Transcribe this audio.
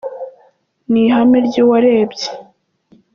Ni ihame ry’uwarebye